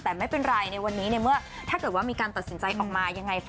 แต่ไม่เป็นไรในวันนี้ในเมื่อถ้าเกิดว่ามีการตัดสินใจออกมายังไง